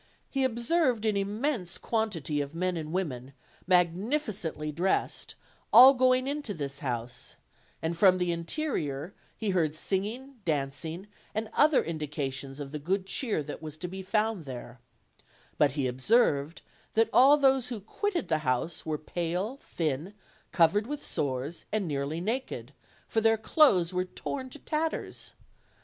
He observed an immense quantity of men and women, magnificently dressed, all going into this house; and from the interior he heard singing, dancing, and other indications of the good cheer that was to be found there; but he observed that all those who quitted the house were pale, thin, covered with sores, and nearly naked, for their clothes were torn to tatters.